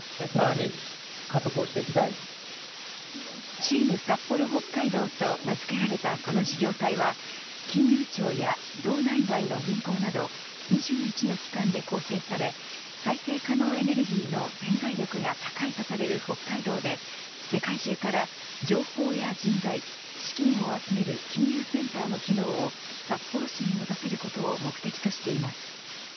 ＴｅａｍＳａｐｐｏｒｏ‐Ｈｏｋｋａｉｄｏと名付けられたこの事業体は金融庁や道内外の銀行など２１の機関で構成され再生可能エネルギーの潜在力が高いとされる北海道で世界中から情報や人材資金を集める金融センターの機能を札幌市に持たせることを目的としています。